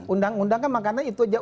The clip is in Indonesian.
undang undang kan makanya itu aja